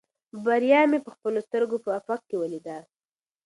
بریا مې په خپلو سترګو په افق کې ولیده.